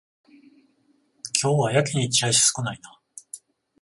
今日はやけにチラシ少ないな